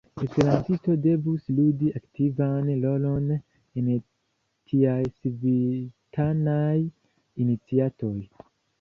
Esperantistoj devus ludi aktivan rolon en tiaj civitanaj iniciatoj.